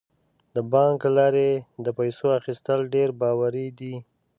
د بانک له لارې د پیسو اخیستل ډیر باوري دي.